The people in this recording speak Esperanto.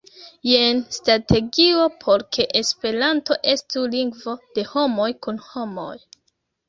Jen strategio por ke Esperanto estu lingvo de homoj kun homoj.